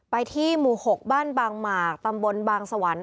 ที่หมู่๖บ้านบางหมากตำบลบางสวรรค์